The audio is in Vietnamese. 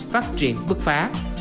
phát triển bước phá